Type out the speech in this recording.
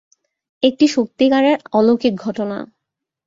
একটা সত্যিকারের অলৌকিক ঘটনা।